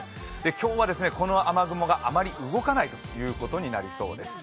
今日はですね、この雨雲があまり動かないということになりそうです。